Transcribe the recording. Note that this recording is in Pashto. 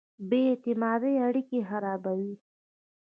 بې اعتمادۍ اړیکې خرابوي.